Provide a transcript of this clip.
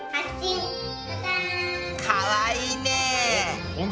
かわいいね。